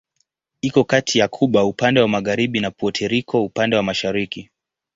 Iko kati ya Kuba upande wa magharibi na Puerto Rico upande wa mashariki.